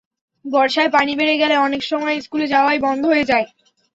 বর্ষায় পানি বেড়ে গেলে অনেক সময় স্কুলে যাওয়াই বন্ধ হয়ে যায়।